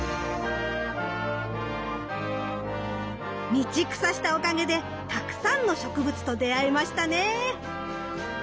道草したおかげでたくさんの植物と出会えましたね。